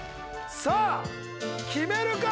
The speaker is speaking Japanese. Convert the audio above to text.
さあ決めるか？